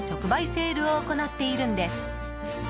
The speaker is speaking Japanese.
セールを行っているんです。